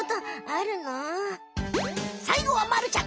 さいごはまるちゃん！